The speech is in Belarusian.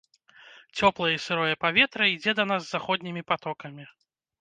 Цёплае і сырое паветра ідзе да нас з заходнімі патокамі.